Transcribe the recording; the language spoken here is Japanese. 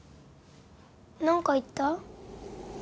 何か言った？